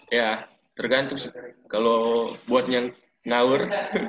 iya tergantung sih kalau buat yang ngaur